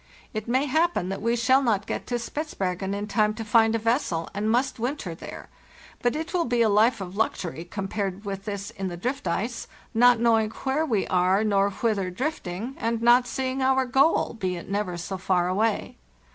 It may happen that we shall not get to Spitzbergen in time to find a vessel, and must winter there, but it will be a life of luxury compared with this in the drift ice, not knowing where we are nor whither drifting, and not seeing our goal, be it never so far away.